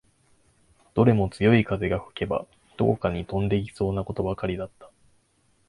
どれも強い風が吹けば、どっかに飛んでいきそうなことばかりだった